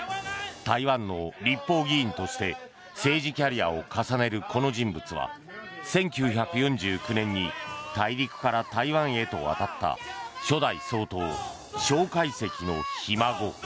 台湾の立法議員として政治キャリアを重ねるこの人物は１９４９年に大陸から台湾へと渡った初代総統・蒋介石のひ孫。